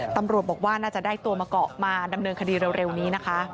ตำรวจบอกว่าน่าจะได้ตัวมาเกาะมาดำเนินคดีเร็วนี้นะคะ